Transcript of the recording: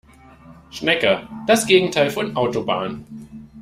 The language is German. Schnecke: Das Gegenteil von "Autobahn".